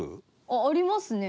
あっありますね。